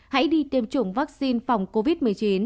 hãy đi tiêm chủng vaccine phòng covid một mươi chín